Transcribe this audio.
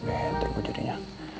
oke terbaik jadinya